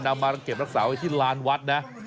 นำมาเก็บรักษาไว้ที่ลานวัดนะ